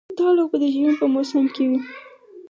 دا لوبه د ژمي په موسم کې وي.